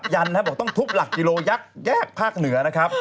ยันนะบอกต้องทุบหลักกิโลหรือยักษ์แยกภาคนือนะครับ